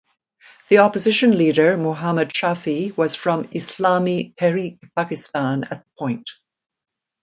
The opposition leader Muhammad Shafi was from Islami Tehreek Pakistan at the point.